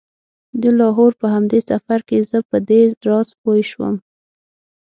د لاهور په همدې سفر کې زه په دې راز پوی شوم.